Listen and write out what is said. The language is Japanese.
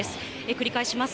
繰り返します。